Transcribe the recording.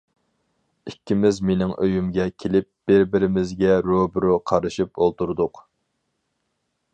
ئىككىمىز مېنىڭ ئۆيۈمگە كېلىپ، بىر-بىرىمىزگە روبىرو قارىشىپ ئولتۇردۇق.